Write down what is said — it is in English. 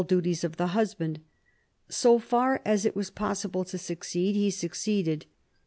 duties of the husband. So far as it was possible to succeed he succeeded.